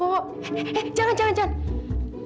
eh eh eh jangan jangan jangan